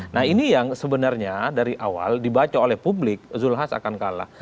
nah ini yang sebenarnya dari awal dibaca oleh publik zulkifli hasan akan kalah